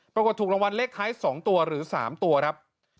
ปรากฏถูกรางวัลเล็กคล้าย๒ตัวหรือ๓ตัวครับ